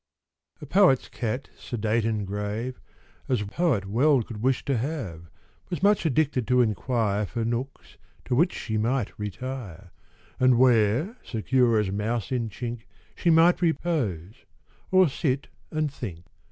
A poet's cat, sedate and grave As poet well could wish to have, Was much addicted to inquire For nooks to which she might retire, And where, secure as mouse in chink, She might repose, or sit and think.